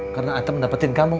karena atem mendapetin kamu